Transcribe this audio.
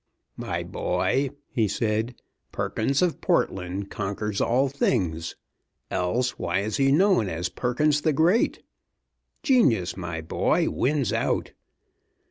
"My boy," he said, "Perkins of Portland conquers all things! Else why is he known as Perkins the Great? Genius, my boy, wins out.